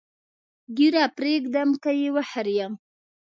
ږیره پرېږدم که یې وخریم؟